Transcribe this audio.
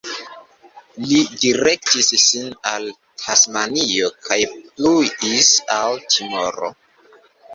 Li direktis sin al Tasmanio kaj pluis al Timoro.